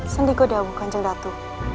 sendikodahu kanjeng datu